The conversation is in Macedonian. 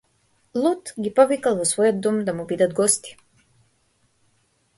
Лот ги повикал во својот дом да му бидат гости.